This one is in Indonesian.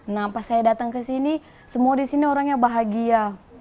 nah pas saya datang ke sini semua di sini orangnya bahagia